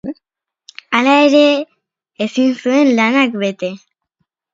Hala ere ezin zuen lanak bete.